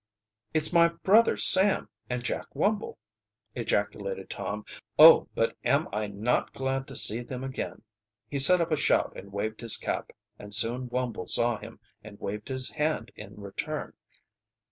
"It's my brother Sam and Jack Wumble!" ejaculated Tom. "Oh, but am I not glad to see them again!" He set up a shout and waved his cap, and soon Wumble saw him and waved his hand in return.